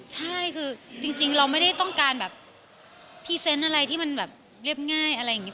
ใช่คือจริงเราไม่ได้ต้องการแบบพรีเซนต์อะไรที่มันแบบเรียบง่ายอะไรอย่างนี้